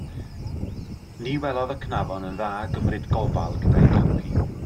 Ni welodd y cnafon yn dda gymryd gofal gyda'i gopi.